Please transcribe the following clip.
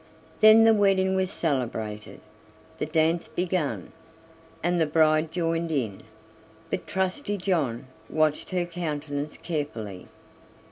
Then the wedding was celebrated, the dance began, and the bride joined in, but Trusty John watched her countenance carefully.